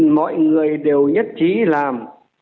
mọi người đều nhất trí làm